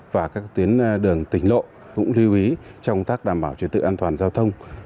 và các tuyến đường tỉnh lộ cũng lưu ý trong công tác đảm bảo trật tự an toàn giao thông